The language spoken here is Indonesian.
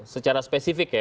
secara spesifik ya